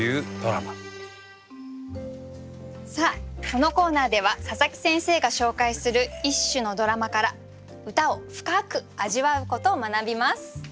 このコーナーでは佐佐木先生が紹介する一首のドラマから歌を深く味わうことを学びます。